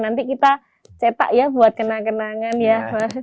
nanti kita cetak ya buat kena kenangan ya